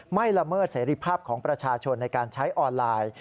ละเมิดเสรีภาพของประชาชนในการใช้ออนไลน์